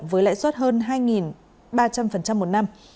với lãi suất hơn hai ba trăm linh một năm